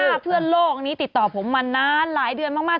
ถ้าเพื่อนโลกนี้ติดต่อผมมานานหลายเดือนมาก